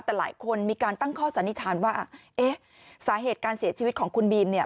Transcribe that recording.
แต่หลายคนมีการตั้งข้อสันนิษฐานว่าเอ๊ะสาเหตุการเสียชีวิตของคุณบีมเนี่ย